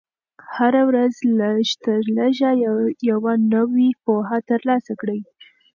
هره ورځ لږ تر لږه یوه نوې پوهه ترلاسه کړه.